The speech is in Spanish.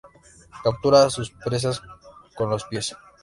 Captura a sus presas con los pies.